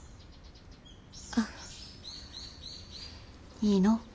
いいの？